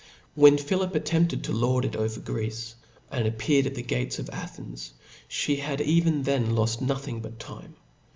When Philip attempted to lord it over Greece^ and appeared at the gates of Athens f:, flie had even then loft nothing but time.